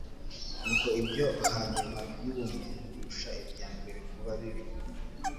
«Nuko ibyo hanyuma by'uwo muntu birusha ibya mbere kuba bibi.